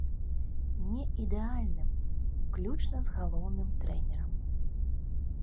Не ідэальным, уключна з галоўным трэнерам.